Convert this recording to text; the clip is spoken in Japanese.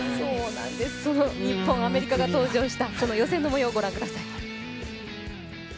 その日本、アメリカが登場した予選のもようをご覧ください。